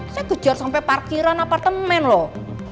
saya kejar sampai parkiran apartemen loh